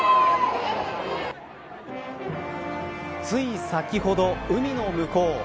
つい先ほど海の向こう